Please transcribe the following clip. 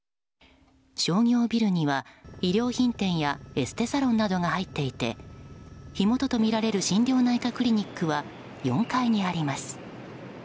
商業ビルには、衣料品店やエステサロンなどが入っていて火元とみられる心療内科クリニックは４階にあります。